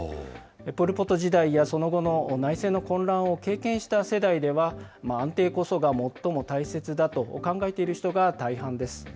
ポル・ポト時代やその後の内戦の混乱を経験した世代では、安定こそが最も大切だと考えている人が大半です。